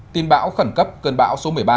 tin bão khẩn cấp cơn bão số một mươi ba